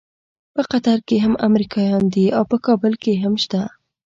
په قطر کې هم امریکایان دي او په کابل کې هم شته.